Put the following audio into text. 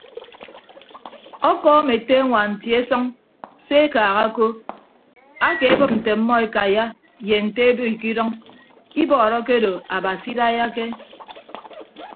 Ọkọọm ete añwaan tie sʌñ se ekaaha ko akeebịp nte ọmmọ ekaiya ye nte ebo ikidʌñ ibọọrọ akedo abasi idaiyake.